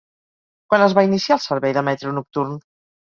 Quan es va iniciar el servei de metro nocturn?